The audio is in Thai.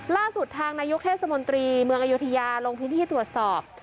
ล่าสุดทางนายกเทศมนตรีเมืองอยุธยาลงพื้นที่ตรวจสอบ